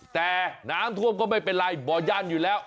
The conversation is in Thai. แต่น้ำท่วมก็ไม่เป็นไรบ่อย่านอยู่แล้ว